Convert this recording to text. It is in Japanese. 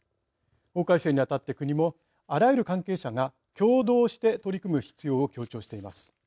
法改正にあたって国もあらゆる関係者が協働して取り組む必要を強調しています。